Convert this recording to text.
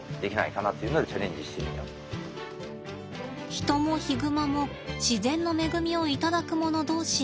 ヒトもヒグマも自然の恵みを頂くもの同士。